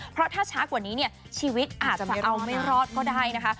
เพราะถ้าช้ากว่านี้เนี่ยชีวิตอาจจะเอาไม่รอดก็ได้นะคะ